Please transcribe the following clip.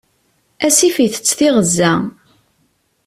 Asif itett tiɣezza.